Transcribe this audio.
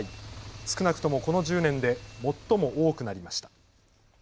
少なくともこの１０年で最も多くなりました。